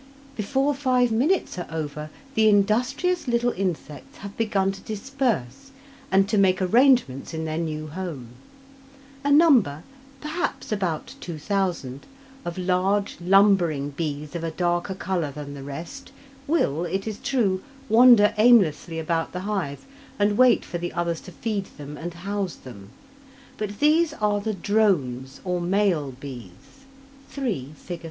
Before five minutes are over the industrious little insects have begun to disperse and to make arrangements in their new home. A number (perhaps about two thousand) of large, lumbering bees of a darker colour than the rest, will it is true, wander aimlessly about the hive, and wait for the others to feed them and house them; but these are the drones, or male bees (3, Fig.